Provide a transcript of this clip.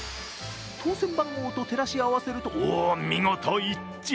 当せん番号と照らし合わせると、見事一致。